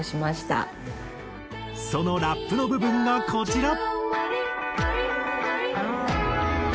そのラップの部分がこちら。